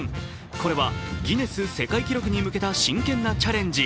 これはギネス世界記録に向けた真剣なチャレンジ。